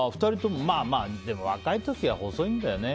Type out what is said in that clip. でも若い時は細いんだよね。